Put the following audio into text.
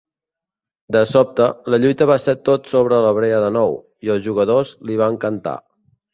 De sobte, la lluita va ser tot sobre la brea de nou, i els jugadors li va encantar.